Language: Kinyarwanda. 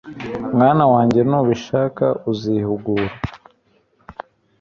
mwana wanjye, nubishaka uzihugura